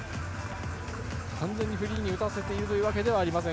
完全にフリーで打たせているわけではありません。